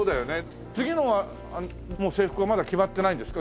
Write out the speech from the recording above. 次の制服はまだ決まってないんですか？